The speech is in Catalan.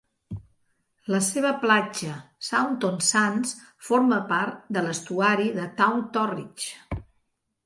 La seva platja, Saunton Sands, forma part de l'estuari de Taw-Torridge.